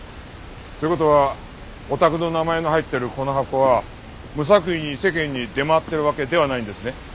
という事はお宅の名前の入ってるこの箱は無作為に世間に出回ってるわけではないんですね？